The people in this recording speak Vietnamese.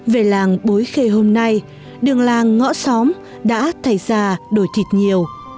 về làng bối khê hôm nay đường làng ngõ xóm đã thay già đổi thịt nhiều